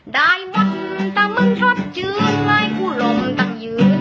ได้บ้นแต่มึงรัดจืนไร้กูลงตั้งยืน